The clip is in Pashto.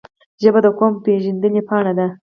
ژبه د قوم پېژند پاڼه ده